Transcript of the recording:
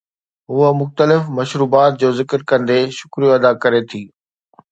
هوءَ مختلف مشروبات جو ذڪر ڪندي شڪريو ادا ڪري ٿي